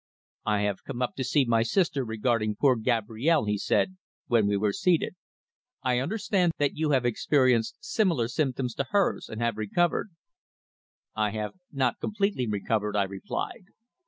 "I have come up to see my sister regarding poor Gabrielle," he said, when we were seated. "I understand that you have experienced similar symptoms to hers, and have recovered." "I have not completely recovered," I replied.